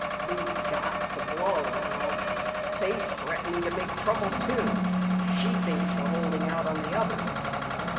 "We've got to blow, Al. Sade's threatening to make trouble, too. She thinks we're holding out on the others."